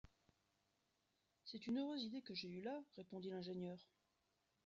C’est une heureuse idée que j’ai eue là! répondit l’ingénieur.